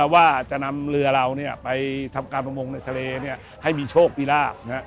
ว่าจะนำเรือเราไปทำการประมงในทะเลให้มีโชคมีลาบ